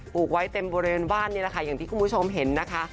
ลูกไว้เต็มบริเวณบ้านนี่แหละค่ะอย่างที่คุณผู้ชมเห็นนะคะ